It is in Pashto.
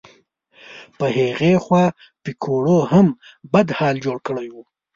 په هغې خوا پیکوړو هم بد حال جوړ کړی و.